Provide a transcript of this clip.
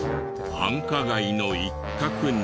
繁華街の一角に。